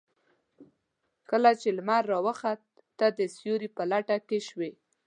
کله چې لمر راوخت تۀ د سيوري په لټه کې شوې.